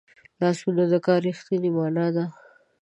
لاسونه د کار رښتینې مانا ده